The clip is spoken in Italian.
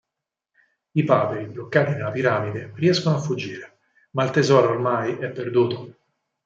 I paperi, bloccati nella piramide, riescono a fuggire ma il tesoro oramai è perduto.